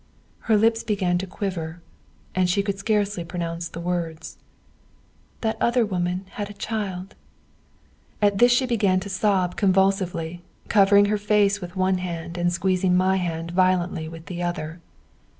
Her lips began to quiver, and she could scarcely pronounce the words: "That other woman had a child." And at this she began to sob convulsively, covering her face with one hand, and squeezing my hand violently with the other.